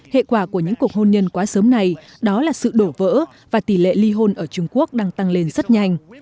hệ quả của những cuộc hôn nhân quá sớm này đó là sự đổ vỡ và tỷ lệ ly hôn ở trung quốc đang tăng lên rất nhanh